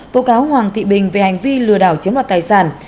tố cáo hoàng thị bình về hành vi lừa đảo chiếm đoạt tài sản